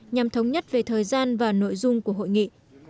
nhằm thống nhất về thời gian và nội dung của hội nghị